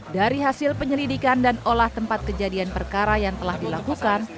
dari hasil penyelidikan dan olah tempat kejadian perkara yang telah dilakukan